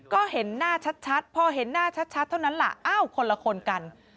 ก็เห็นหน้าชัดพอเห็นหน้าชัดเท่านั้นล่ะอ้าวคนละคนกัน